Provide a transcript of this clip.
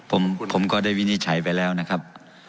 ผมก็ได้วินิจฉัยไปแล้วนะครับ